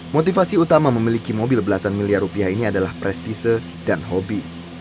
motivasi utama memiliki mobil belasan miliar rupiah ini adalah prestise dan hobi